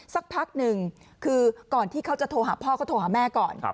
สักพักหนึ่งคือก่อนที่เขาจะโทรหาพ่อเขาโทรหาแม่ก่อน